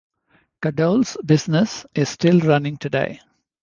Cadolle's business is still running today.